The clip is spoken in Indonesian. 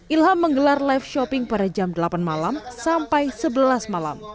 ilham menggelar live shopping pada jam delapan malam sampai sebelas malam